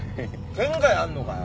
圏外あんのかよ！